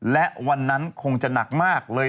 และวันนั้นคงจะหนักมากเลย